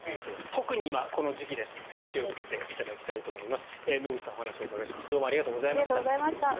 特に今、この時期ですので気をつけていただきたいと思います。